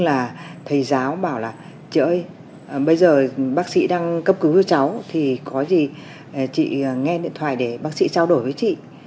là thầy giáo bảo là bây giờ bác sĩ đang cấp cứu cho cháu thì có gì chị nghe điện thoại để bác sĩ trao đổi với chị